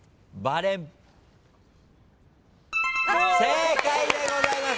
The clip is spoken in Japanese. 正解でございます。